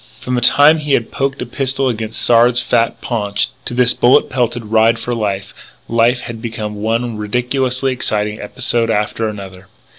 From the time he had poked a pistol against Sard's fat paunch, to this bullet pelted ride for life, life had become one ridiculously exciting episode after another.